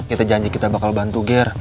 kita janji kita bakal bantu ger